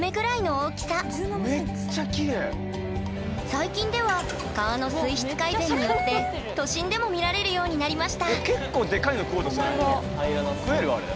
最近では川の水質改善によって都心でも見られるようになりましたでかいの食おうとするね。